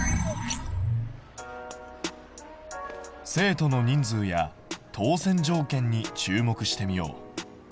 生徒の人数や当選条件に注目してみよう。